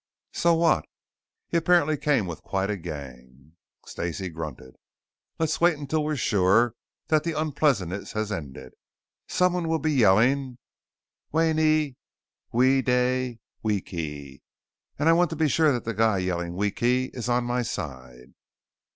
"So what?" "He apparently came with quite a gang." Stacey grunted. "Let's wait until we're sure that the unpleasantness has subsided. Someone will be yelling 'Veni Vidi Vici' and I want to be sure that the guy yelling 'Vici' is on my side."